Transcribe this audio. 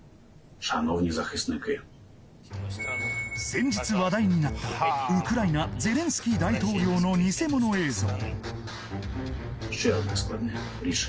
先日話題になったウクライナゼレンスキー大統領の偽物映像